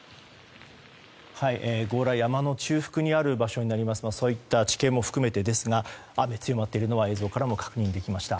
強羅、山の中腹にある場所になりますがそういった地形も含めてですが雨が強まっているのは映像からも確認できました。